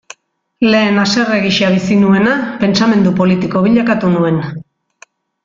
Lehen haserre gisa bizi nuena, pentsamendu politiko bilakatu nuen.